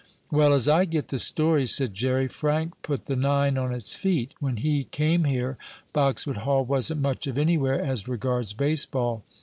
"Well, as I get the story," said Jerry, "Frank put the nine on its feet. When he came here Boxwood Hall wasn't much of anywhere as regards baseball.